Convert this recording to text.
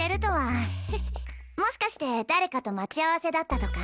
もしかして誰かと待ち合わせだったとか？